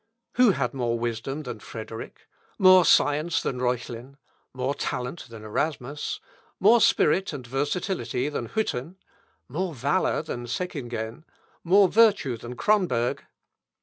Who had more wisdom than Frederick? More science than Reuchlin? More talent than Erasmus? More spirit and versatility than Hütten? More valour than Seckingen? More virtue than Cronberg?